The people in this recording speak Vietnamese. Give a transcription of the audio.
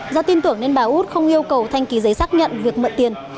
do tin tưởng nên bà út không yêu cầu thanh ký giấy xác nhận việc mượn tiền